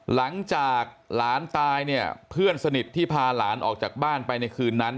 หลังจากหลานตายเนี่ยเพื่อนสนิทที่พาหลานออกจากบ้านไปในคืนนั้น